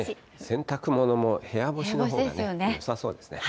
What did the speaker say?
洗濯物も部屋干しのほうがよさそうですね。